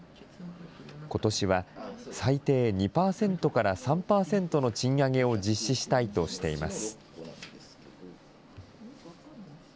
ことしは最低２％から３％の賃上げを実施したいとしています。